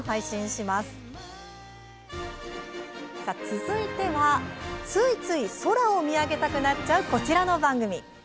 続いては、ついつい空を見上げたくなっちゃうこちらの番組。